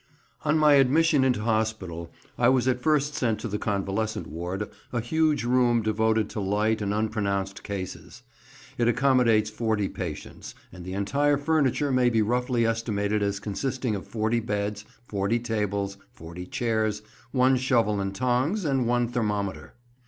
ON my admission into hospital I was at first sent to the convalescent ward, a huge room devoted to light and unpronounced cases. It accommodates 40 patients, and the entire furniture may be roughly estimated as consisting of 40 beds, 40 tables, 40 chairs, one shovel and tongs, and one thermometer.